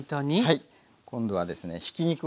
はい。